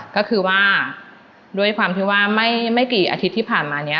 ก็คือว่าด้วยความที่ว่าไม่กี่อาทิตย์ที่ผ่านมาเนี่ย